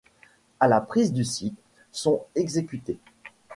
À la prise du site, sont exécutés.